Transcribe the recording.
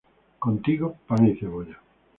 Contigo, pan y cebolla